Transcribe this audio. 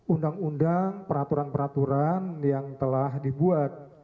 undang undang peraturan peraturan yang telah dibuat